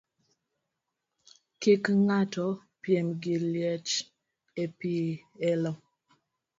Kik ng'ato piem gi liech e pielo.